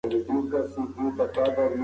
د غلام په قیمت کې هېڅ ډول کموالی ونه شو.